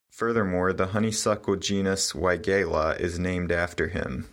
Furthermore, the honeysuckle genus "Weigela" is named after him.